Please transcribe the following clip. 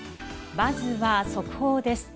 まずは速報です。